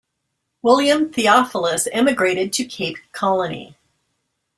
William Theophilus, emigrated to Cape Colony.